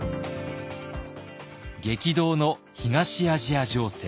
激動の東アジア情勢。